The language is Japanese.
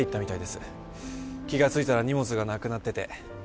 気が付いたら荷物がなくなってて。